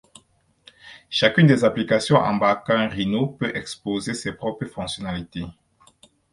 Chacune des applications embarquant Rhino peut exposer ses propres fonctionnalités.